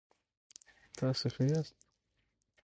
تاسو ښه یاست؟